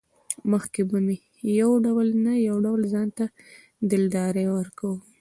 مخکې به مې يو ډول نه يو ډول ځانته دلداري ورکوه.